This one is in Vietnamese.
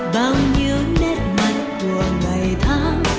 bao nhiêu nét mặt của ngày tháng